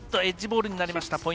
エッジボールになりました。